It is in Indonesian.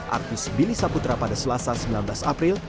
artis billy saputra pada selasa sembilan belas april